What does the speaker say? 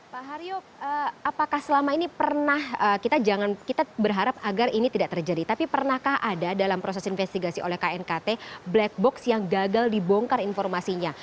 pak haryo apakah selama ini pernah kita jangan kita berharap agar ini tidak terjadi tapi pernahkah ada dalam proses investigasi oleh knkt black box yang gagal dibongkar informasinya